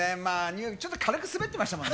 ちょっと軽く滑ってましたもんね。